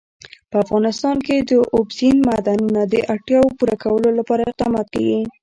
په افغانستان کې د اوبزین معدنونه د اړتیاوو پوره کولو لپاره اقدامات کېږي.